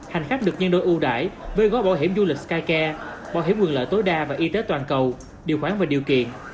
hành khách được nhân đôi ưu đải với gói bảo hiểm du lịch skycare bảo hiểm quyền lợi tối đa và y tế toàn cầu điều khoản và điều kiện